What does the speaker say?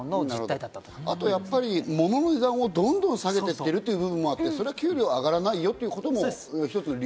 あと物の値段をどんどん下げて行ってる部分もあって、そりゃ給料上がらないよということも一つの理由。